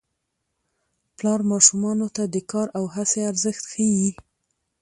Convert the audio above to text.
پلار ماشومانو ته د کار او هڅې ارزښت ښيي